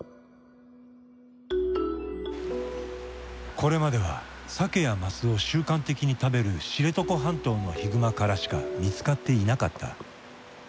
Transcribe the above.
これまではサケやマスを習慣的に食べる知床半島のヒグマからしか見つかっていなかった。